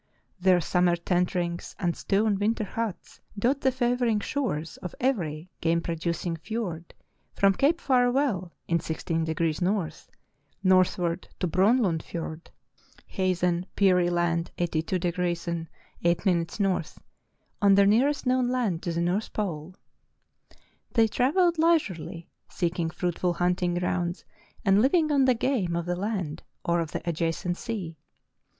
Their summer tent rings and stone winter huts dot the favoring shores of every game producing fiord from Cape Farewell, in 60° N., northward to Bronlund Fiord, Hazen (Peary) Land, 82° 08' N., on the nearest known land to the north pole. They travelled leisurely, seeking fruitful hunting grounds and living on the game of the land or of the adjacent sea.